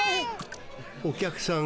お客さん